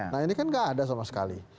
nah ini kan nggak ada sama sekali